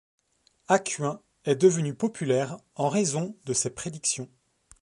Acuin est devenu populaire en raison de ses prédictions.